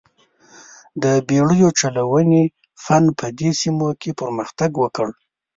د بېړیو چلونې فن په دې سیمو کې پرمختګ وکړ.